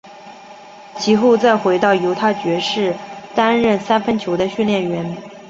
及后再回到犹他爵士担任三分球的训练员。